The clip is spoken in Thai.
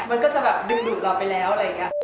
มันก็จะแบบดึงดูดเราไปแล้วอะไรอย่างนี้